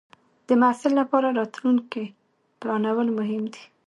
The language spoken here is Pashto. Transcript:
د محصل لپاره راتلونکې پلانول مهم دی.